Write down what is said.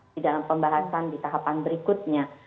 di dalam pembahasan di tahapan berikutnya